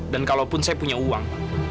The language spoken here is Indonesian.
dan kalaupun saya punya uang